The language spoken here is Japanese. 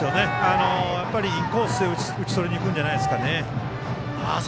やっぱりインコースで打ち取りにいくんじゃないんですか。